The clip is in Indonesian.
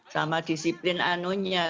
sama disiplin anunya